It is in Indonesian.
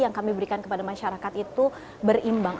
yang kami berikan kepada masyarakat itu berimbang